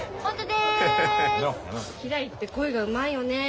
ひらりって恋がうまいよね。